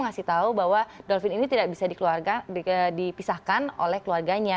ngasih tahu bahwa dolphin ini tidak bisa dipisahkan oleh keluarganya